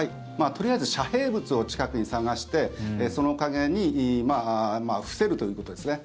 とりあえず遮へい物を近くに探してその陰に伏せるということですね。